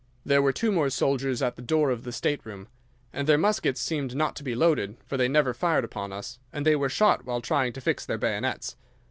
There were two more soldiers at the door of the state room, and their muskets seemed not to be loaded, for they never fired upon us, and they were shot while trying to fix their bayonets.